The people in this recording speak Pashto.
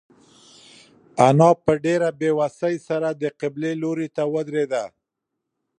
انا په ډېرې بېوسۍ سره د قبلې لوري ته ودرېده.